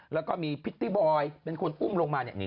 แล้วก็มีพิตตี้บอยเป็นคนอุ้มลงมาเนี่ย